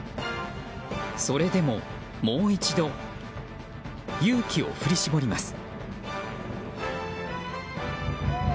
それでも、もう一度勇気を振り絞ります。